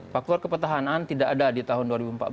faktor kepetahanan tidak ada di tahun dua ribu empat belas